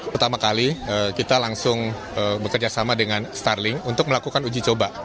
pertama kali kita langsung bekerjasama dengan starling untuk melakukan uji coba